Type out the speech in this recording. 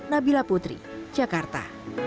nabila putri jakarta